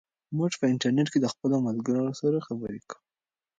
موږ په انټرنیټ کې له خپلو ملګرو سره خبرې کوو.